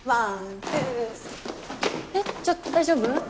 えっちょっと大丈夫？